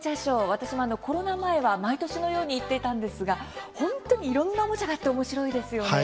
私もコロナ前は毎年のように行っていたんですが本当にいろんなおもちゃがあっておもしろいですよね。